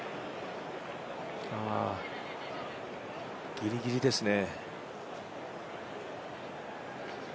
ギリギリですね。